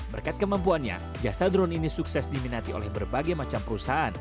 berkat kemampuannya jasa drone ini sukses diminati oleh berbagai macam perusahaan